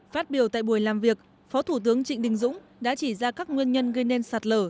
phát biểu tại buổi làm việc phó thủ tướng trịnh đình dũng đã chỉ ra các nguyên nhân gây nên sạt lở